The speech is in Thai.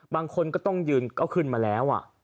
บางคนก็ต้องยืนก็ขึ้นมาแล้ว